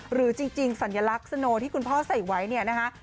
หรือจริงสัญลักษณ์สโนที่คุณพ่อใส่ไว้เนี่ยนะคะ